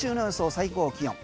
最高気温。